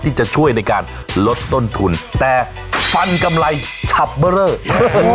ที่จะช่วยในการลดต้นทุนแต่ฟันกำไรชับเบอร์เรอ